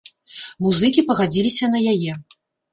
Музыкі пагадзіліся на яе.